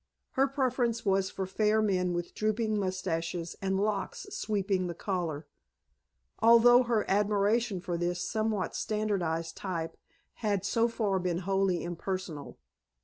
Her preference was for fair men with drooping moustaches and locks sweeping the collar; although her admiration for this somewhat standardized type had so far been wholly impersonal.